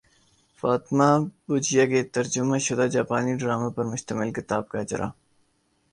فاطمہ بجیا کے ترجمہ شدہ جاپانی ڈراموں پر مشتمل کتاب کا اجراء